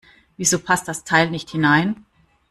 Wieso passt das Teil nicht hinein?